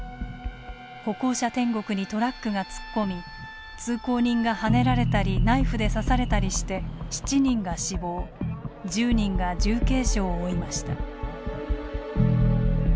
歩行者天国にトラックが突っ込み通行人が、はねられたりナイフで刺されたりして７人が死亡１０人が重軽傷を負いました。